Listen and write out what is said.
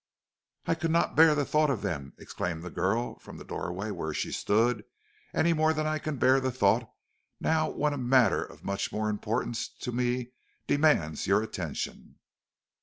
"I could not bear the thought of them," exclaimed the girl from the doorway where she stood, "any more than I can bear the thought now when a matter of much more importance to me demands your attention."